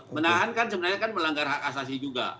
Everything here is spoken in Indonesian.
menahan kan sebenarnya kan melanggar hak asasi juga